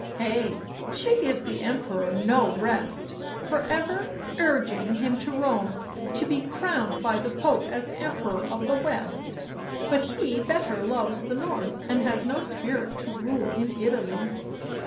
" Ay, she gives the Emperor no rest; for ever urging him to Rome, to be crowned by the Pope as Emperor of the West; — but he better loves the North, and has no spirit to rule in Italy."